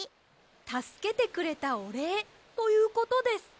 たすけてくれたおれいということです。